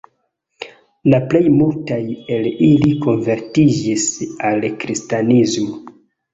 La plej multaj el ili konvertiĝis al kristanismo.